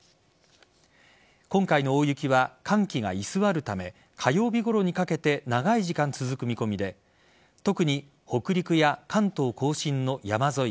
今回の大雪は寒気が居座るため火曜日ごろにかけて長い時間続く見込みで特に、北陸や関東甲信の山沿い